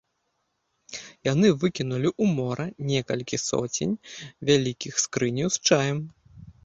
Яны выкінулі ў мора некалькі соцень вялікіх скрыняў з чаем.